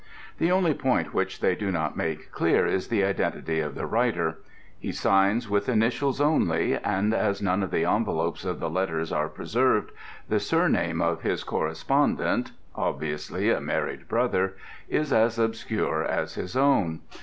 The only point which they do not make clear is the identity of the writer. He signs with initials only, and as none of the envelopes of the letters are preserved, the surname of his correspondent obviously a married brother is as obscure as his own.